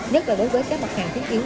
nhất là đối với các mặt hàng thiếu yếu